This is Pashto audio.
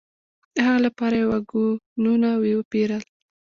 د هغه لپاره یې واګونونه وپېرل.